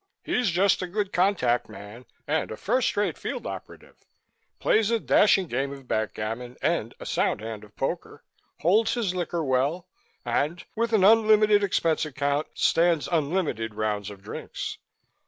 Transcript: He's just a good contact man and a first rate field operative plays a dashing game of backgammon and a sound hand of poker, holds his liquor well, and, with an unlimited expense account, stands unlimited rounds of drinks.